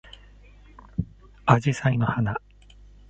あじさいの花